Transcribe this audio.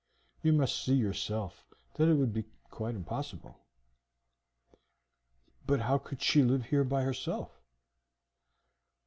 You must see yourself that it would be quite impossible." "But how could she live here by herself?"